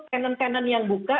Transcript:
tenant tenant yang buka